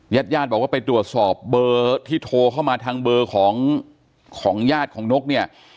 ญาติญาติบอกว่าไปตรวจสอบเบอร์ที่โทรเข้ามาทางเบอร์ของของญาติของนกเนี่ย